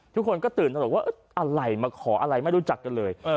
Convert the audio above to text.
ทุกคนก็ตื่นแล้วก็มันคออะไรไม่รู้จักกันเลย